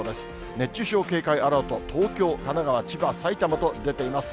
熱中症警戒アラート、東京、神奈川、千葉、埼玉と出ています。